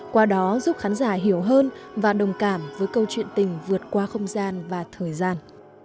qua đó giúp khán giả hiểu hơn và đồng cảm với câu chuyện tình vượt qua không gian và thời gian